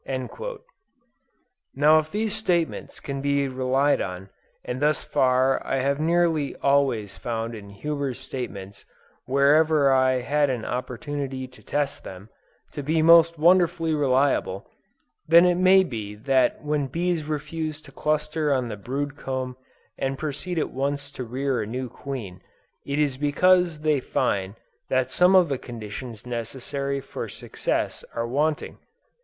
Now if these statements can be relied on, and thus far I have nearly always found Huber's statements, where ever I had an opportunity to test them, to be most wonderfully reliable, then it may be that when bees refuse to cluster on the brood comb and to proceed at once to rear a new queen, it is because they find that some of the conditions necessary for success are wanting.